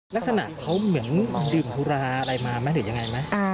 ลักษณะเขาเหมือนดื่มฮุระอะไรมาหรือยังไง